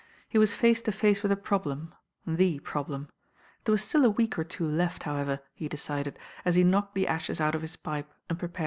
He was face to face with a problem— THE problem. There was still a week or two left, however, he decided, as he knocked the ashes out of his pipe and prepared for bed.